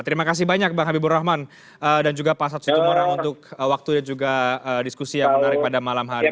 terima kasih banyak bang habibur rahman dan juga pak satu tumor untuk waktunya juga diskusi yang menarik pada malam hari